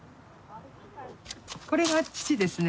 これが父ですね。